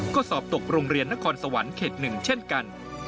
ก็สอบตกโรงเรียนนครสวรรค์เขต๑เช่นกัน